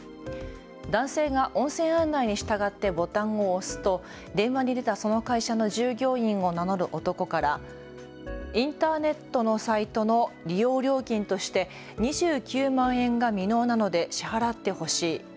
男性が音声案内に従ってボタンを押すと、電話に出たその会社の従業員を名乗る男からインターネットのサイトの利用料金として２９万円が未納なので支払ってほしい。